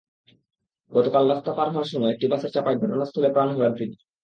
গতকাল রাস্তা পার হওয়ার সময় একটি বাসের চাপায় ঘটনাস্থলে প্রাণ হারান তিনি।